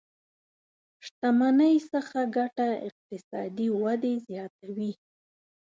شتمنۍ څخه ګټه اقتصادي ودې زياته وي.